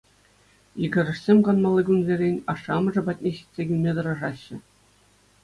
Йӗкӗрешсем канмалли кунсерен ашшӗ-амӑшӗ патне ҫитсе килме тӑрӑшаҫҫӗ.